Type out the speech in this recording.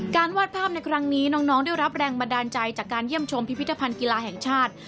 วาดภาพในครั้งนี้น้องได้รับแรงบันดาลใจจากการเยี่ยมชมพิพิธภัณฑ์กีฬาแห่งชาติ